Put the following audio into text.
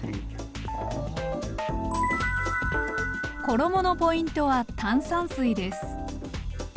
衣のポイントは炭酸水です。